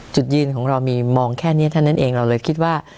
จุดยืนของเรามีมองแค่นี้เท่านั้นเองเราเลยคิดว่า